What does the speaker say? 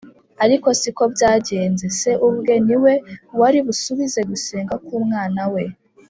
. Ariko siko byagenze ; Se ubwe ni we wari busubize gusenga k’Umwana We.